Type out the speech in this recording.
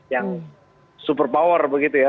yang super power begitu ya